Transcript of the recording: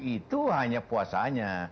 itu hanya puasanya